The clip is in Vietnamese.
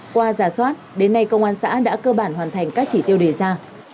qua giả soát đến nay công an xã đã cơ bản hoàn thành các chỉ tiêu đề ra